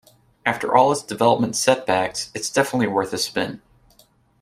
After all its development setbacks, it's definitely worth a spin.